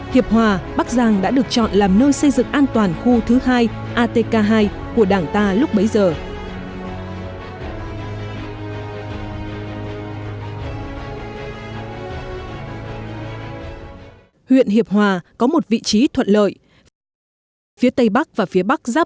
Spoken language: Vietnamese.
hiệp hòa bắc giang đã được chọn làm nơi xây dựng an toàn khu thứ hai atk hai của đảng ta lúc bấy giờ